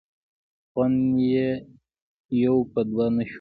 خوند یې یو په دوه شو.